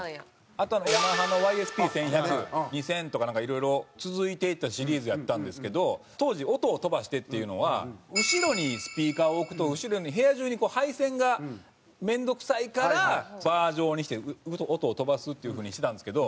あとＹＡＭＡＨＡのＹＳＰ−１１００２０００とかいろいろ続いていたシリーズやったんですけど当時音を飛ばしてっていうのは後ろにスピーカーを置くと後ろに部屋中に配線が面倒くさいからバー状にして音を飛ばすっていう風にしてたんですけど。